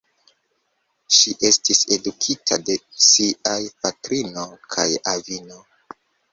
Ŝi estis edukita de siaj patrino kaj avino.